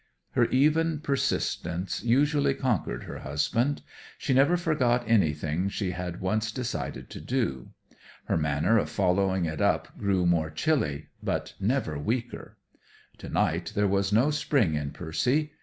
Her even persistence usually conquered her husband. She never forgot anything she had once decided to do. Her manner of following it up grew more chilly, but never weaker. To night there was no spring in Percy.